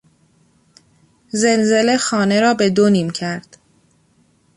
زلزله خانه را به دو نیم کرد.